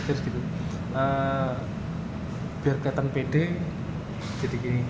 biar kelihatan pede jadi begini